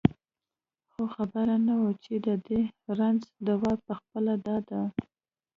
خو خبره نه وه چې د دې رنځ دوا پخپله دا ده.